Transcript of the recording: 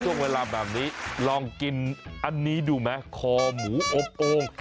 ช่วงเวลาแบบนี้ลองกินอันนี้ดูไหมคอหมูอบโอ่ง